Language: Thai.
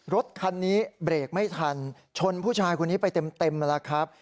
รถคันนี้เบรกไม่ทันชนผู้ชายคนนี้ไปเต็มมาแล้วครับ